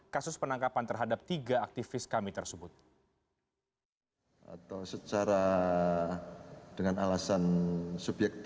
kasus penangkapan terhadap tiga aktivis kami tersebut